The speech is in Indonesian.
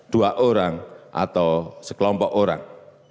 dua orang atau sekelompok orang